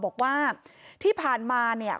บอกว่าที่ผ่านมาเนี่ย